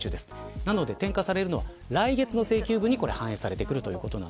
なので転嫁されるのは来月の請求分に反映されます。